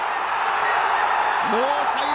ノーサイド！